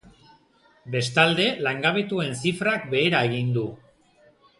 Bestalde, langabetuen zifrak behera egin du.